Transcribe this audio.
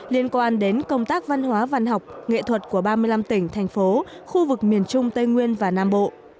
liên quan đến công tác văn hóa văn học nghệ thuật của ba mươi năm tỉnh thành phố khu vực miền trung tây nguyên và nam bộ